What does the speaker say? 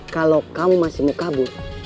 kalau kamu masih mau kabur